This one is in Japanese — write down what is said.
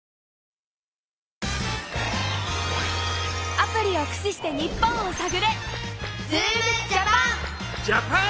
アプリをくしして日本をさぐれ！